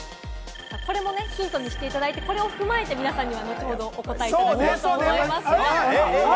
これもヒントにしていただいて、これも踏まえて、皆さんに後ほどお答えいただきたいと思います。